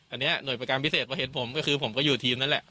อันนี้หน่วยประการพิเศษพอเห็นผมก็คือผมก็อยู่ทีมนั่นแหละ